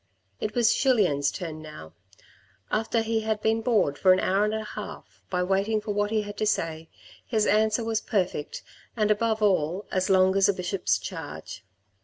It was Julien's turn now. After he had been bored for an hour and a half by waiting for what he had to say, his answer was perfect and, above all, as long as a bishop's charge.